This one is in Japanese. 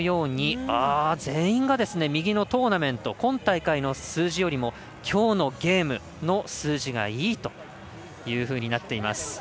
全員が右のトーナメント今大会の数字よりもきょうのゲームの数字がいいというふうになっています。